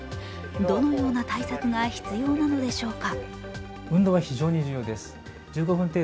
どのような対策が必要なのでしょうか。